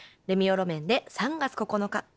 レミオロメンで「３月９日」。